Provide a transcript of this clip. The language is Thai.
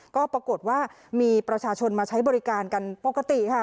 ก็ปรากฏว่ามีประชาชนมาใช้บริการกันปกติค่ะ